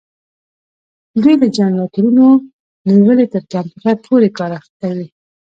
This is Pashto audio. دوی له جنراتورونو نیولې تر کمپیوټر پورې کار کوي.